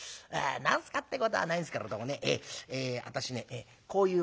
「何すかってことはないんすけれどもね私ねこういう者なんですよ」。